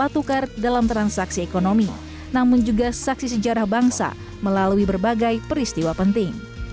bukan tukar dalam transaksi ekonomi namun juga saksi sejarah bangsa melalui berbagai peristiwa penting